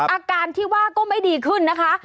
อาการที่ว่าก็ไม่ดีขึ้นนะคะ